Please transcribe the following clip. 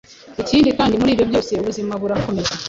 Ikindi kandi muri ibyo byose ubuzima burakomeza.